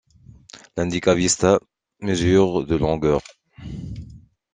L'Indica Vista mesure de longueur.